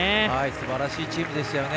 すばらしいチームでしたね。